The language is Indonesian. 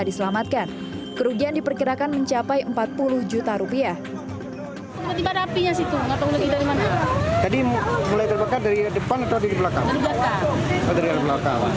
pada selasa siang sejumlah sukarelawan pun beri bantuan uang untuk modal tambahan itu menjadi viral